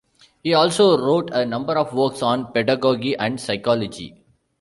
He also wrote a number of works on pedagogy and psychology.